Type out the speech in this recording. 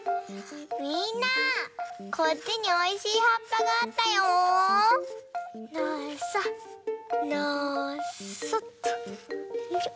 みんなこっちにおいしいはっぱがあったよ！のそのそっとよいしょ。